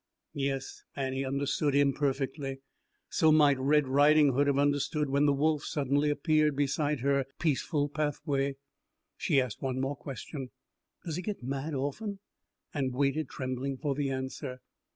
Yes, Annie understood, imperfectly. So might Red Riding Hood have understood when the wolf suddenly appeared beside her peaceful pathway. She asked one more question, "Does he get mad often?" and waited, trembling, for the answer.